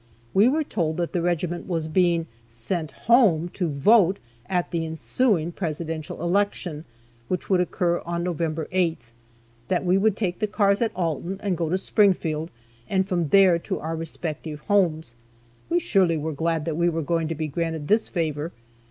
We were told that the regiment was being sent home to vote at the ensuing presidential election, which would occur on November 8th, that we would take the cars at Alton and go to Springfield, and from there to our respective homes. We surely were glad that we were going to be granted this favor.